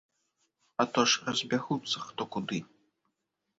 А то ж разбягуцца хто куды!